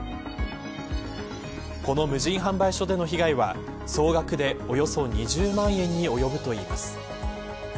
この無人販売所での被害は総額でおよそ２０万円に及ぶといいます。